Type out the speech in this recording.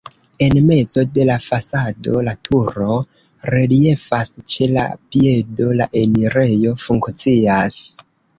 En mezo de la fasado la turo reliefas, ĉe la piedo la enirejo funkcias.